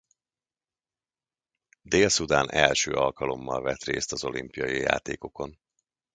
Dél-Szudán első alkalommal vett részt az olimpiai játékokon.